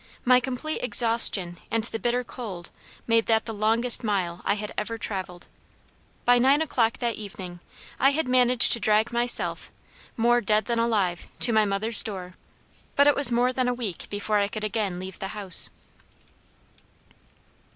My complete exhaustion and the bitter cold made that the longest mile I had ever traveled. By nine o'clock that evening I had managed to drag myself, more dead than alive, to my mother's door, but it was more than a week before I could again leave the house.